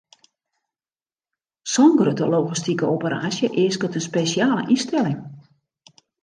Sa'n grutte logistike operaasje easket in spesjale ynstelling.